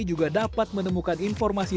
juga dapat menemukan informasi